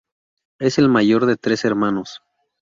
Es el mayor de tres hermanos.